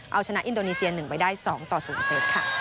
เอาชนะอินโดนีเซียน๑ไปได้๒ต่อสูงเซต